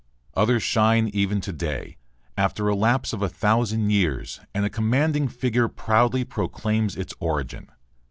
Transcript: Others shine even to day, after a lapse of a thousand years, and a commanding figure proudly proclaims its origin.